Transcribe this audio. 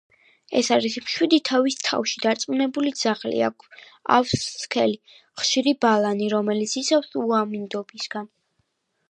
ეს არის მშვიდი, თავის თავში დარწმუნებული ძაღლი, ავს სქელი, ხშირი ბალანი, რომელიც იცავს უამინდობისგან.